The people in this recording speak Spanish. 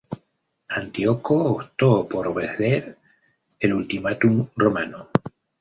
Antíoco optó por obedecer el ultimátum romano.